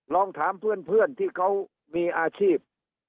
ลองถามเพื่อนที่เขามีอาชีพ